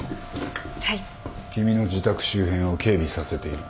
君の自宅周辺を警備させている。